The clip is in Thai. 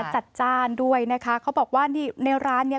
จัดจ้านด้วยนะคะเขาบอกว่านี่ในร้านเนี่ย